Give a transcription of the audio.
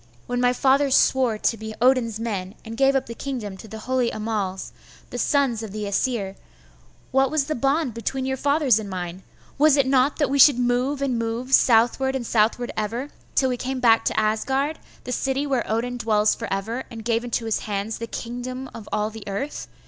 When my fathers swore to be Odin's men, and gave up the kingdom to the holy Annals, the sons of the Aesir, what was the bond between your fathers and mine? Was it not that we should move and move, southward and southward ever, till we came back to Asgard, the city where Odin dwells for ever, and gave into his hands the kingdom of all the earth?